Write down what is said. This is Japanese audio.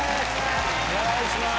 お願いします。